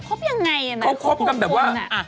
คบยังไงอ่ะแหละครบกันแบบว่าคบกับแบบว่า